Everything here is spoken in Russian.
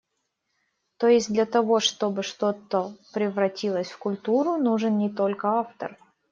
То есть, для того, чтобы что-то превратилось в культуру нужен не только автор.